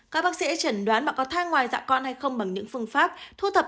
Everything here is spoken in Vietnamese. các bác sĩ chẩn đoán có thai ngoài dạ con hay không bằng những phương pháp thu thập